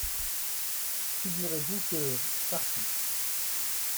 Figurez-vous que, parti…